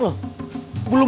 ini baru digosok loh